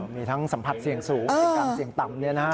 มีทั้งสัมผัสเสี่ยงสูงและการเสี่ยงต่ำเนี่ยนะฮะ